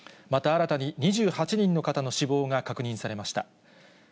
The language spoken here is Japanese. また新たに２８人の方の死亡が確認されました。